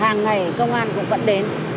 hàng ngày công an cũng vẫn đến